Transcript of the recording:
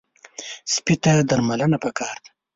سپي ته درملنه پکار ده.